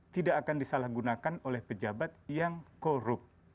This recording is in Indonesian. tidak akan disalahgunakan oleh pejabat yang korup